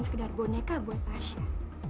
sekedar boneka buat tasha